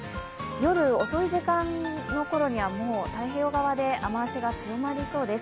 夜遅い時間のころにはもう太平洋側で雨足が強まりそうです。